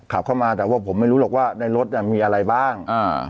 ขับเข้ามาแต่ว่าผมไม่รู้หรอกว่าในรถมีอะไรบ้างอ่า